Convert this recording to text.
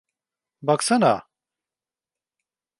Baksana...